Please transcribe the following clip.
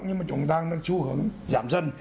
nhưng mà chúng ta đang xu hướng giảm dân